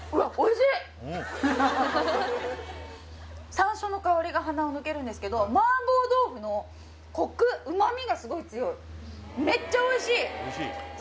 山椒の香りが鼻を抜けるんですけど麻婆豆腐のコク旨味がすごい強いめっちゃおいしい！